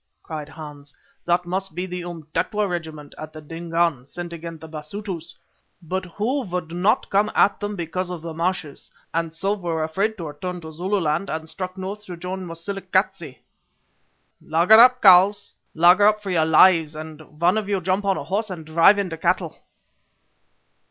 cried Hans, "that must be the Umtetwa Regiment that Dingaan sent against the Basutus, but who could not come at them because of the marshes, and so were afraid to return to Zululand, and struck north to join Mosilikatze." "Laager up, Carles! Laager up for your lives, and one of you jump on a horse and drive in the cattle."